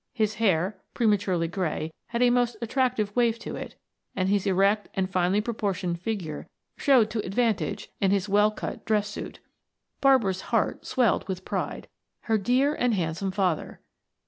His hair, prematurely gray, had a most attractive wave to it, and his erect and finely proportioned figure showed to advantage in his well cut dress suit. Barbara's heart swelled with pride her dear and handsome father!